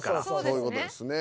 そういう事ですね。